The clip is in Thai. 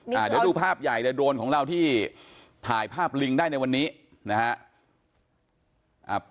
เดี๋ยวดูภาพใหญ่เลยโดรนของเราที่ถ่ายภาพลิงได้ในวันนี้นะฮะ